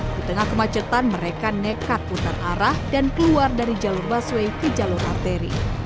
di tengah kemacetan mereka nekat putar arah dan keluar dari jalur busway ke jalur arteri